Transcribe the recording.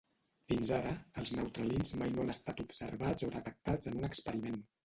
Fins ara, els neutralins mai no han estat observats o detectats en un experiment.